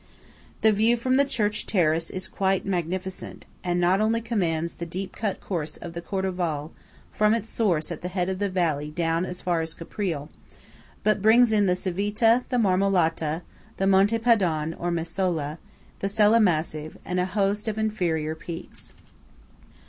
The view from the church terrace is quite magnificent, and not only commands the deep cut course of the Cordevole from its source at the head of the valley down as far as Caprile, but brings in the Civita, the Marmolata, the Monte Padon (or Mesola), the Sella Massive, and a host of inferior peaks.